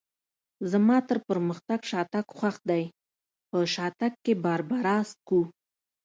زما تر پرمختګ شاتګ خوښ دی، په شاتګ کې باربرا څښو.